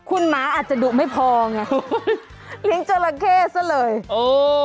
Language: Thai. คุณหมาอาจจะดุไม่พอไงเลี้ยงจราเข้ซะเลยโอ้